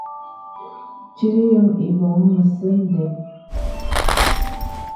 Tit yɔ̄m îbɔ̀ŋ mə̄sɛ̄ ndɛm.